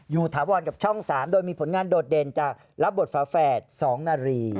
ถาวรกับช่อง๓โดยมีผลงานโดดเด่นจะรับบทฝาแฝด๒นารี